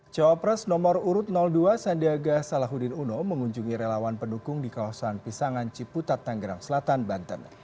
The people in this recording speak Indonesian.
cawa pres nomor urut dua sandiaga salahuddin uno mengunjungi relawan pendukung di kawasan pisangan ciputat tanggerang selatan banten